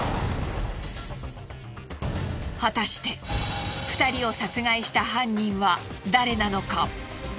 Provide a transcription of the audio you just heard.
果たして２人を殺害した犯人は誰なのか？